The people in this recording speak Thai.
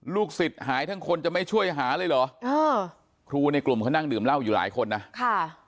สิทธิ์หายทั้งคนจะไม่ช่วยหาเลยเหรอเออครูในกลุ่มเขานั่งดื่มเหล้าอยู่หลายคนนะค่ะ